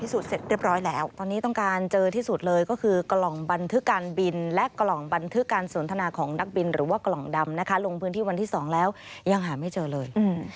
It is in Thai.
สนทนาของนักบินหรือกล่องดำลงพื้นที่วันที่๒แล้วยังหาไม่เจอเลย